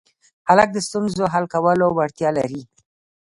هلک د ستونزو حل کولو وړتیا لري.